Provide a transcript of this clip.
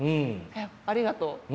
ありがとう。